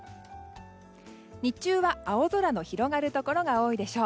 日中は青空の広がるところが多いでしょう。